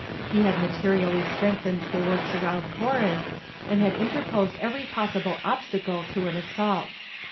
He had materially strengthened the works around Corinth, and had interposed every possible obstacle to an assault.